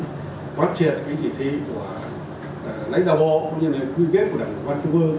để phát triển thị trí của lãnh đạo bộ cũng như quy viết của đảng ủy văn trung ương